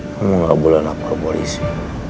kamu gak boleh lapor polisi